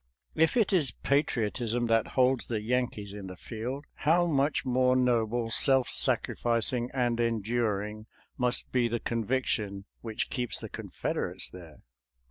If it is patriotism that holds the Yankees in the field, how much more noble, self sacrificing, and enduring must be the conviction which keeps the Confederates there?